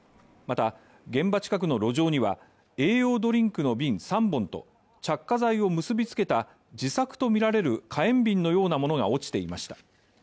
また、現場近くの路上には、栄養ドリンクの瓶３本と、着火剤を結びつけた自作とみられる火炎瓶のようなものが落ちていました。